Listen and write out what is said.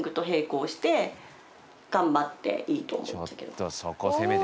ちょっとそこ攻めてきます？